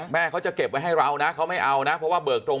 แม่เขาจะเก็บไว้ให้เรานะเขาไม่เอานะเพราะว่าเบิกตรง